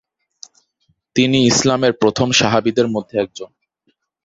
তিনি ইসলামের প্রথম সাহাবীদের মধ্যে একজন।